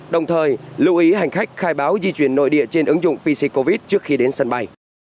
đồng thời lưu ý hành khách khai báo di chuyển nội địa trên ứng dụng pc covid trước khi đến sân bay